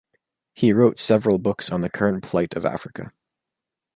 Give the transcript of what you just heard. He wrote several books on the current plight of Africa.